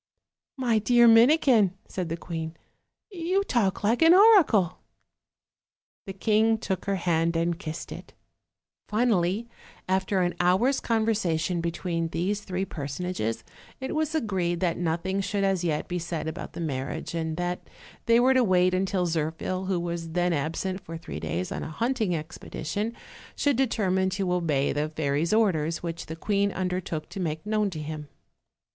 "My dear Minikin," said the queen, "you talk like an oracle." The king took her hand and kissed it. Finally, after an hour's conversation between these three personages, it was agreed that nothing should as yet be said about the marriage, and that they were to wait until Zirphil, who was then absent for three days on a hunting expedition, should determine to obey the fairy's orders, which the queen undertook to make known to him.